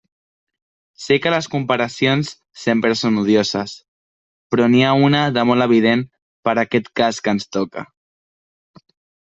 Sé que les comparacions sempre són odioses, però n'hi ha una de molt evident per aquest cas que ens toca.